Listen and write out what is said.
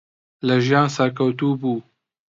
لە ژیان سەرکەوتوو بوو.